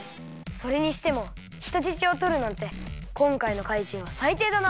それにしてもひとじちをとるなんてこんかいの怪人はさいていだな！